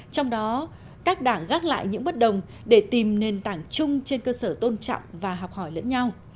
trong đó các đảng gác lại những bất đồng để tìm nền tảng chung trên cơ sở tôn trọng và học hỏi lẫn nhau